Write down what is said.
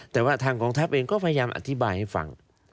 แต่ว่าทางกองทัพเองก็พยายามอธิบายให้ฟัง